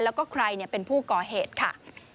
แล้วก็ใครเป็นผู้ก่อเหตุค่ะ